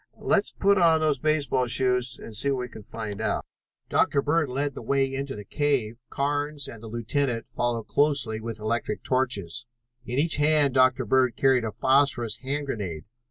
Let's put on those baseball shoes and see what we can find out." Dr. Bird led the way into the cave, Carnes and the lieutenant following closely with electric torches. In each hand Dr. Bird carried a phosphorus hand grenade.